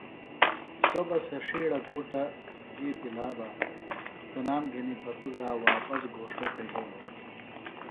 سوۡ بہ سےۡ ݜیڑہ کُھٹم وِی پلا بہ تنام گھنیۡ پتوۡگِرا واپس گھوݜٹہ تھےۡ یھولوۡ ہِنوۡ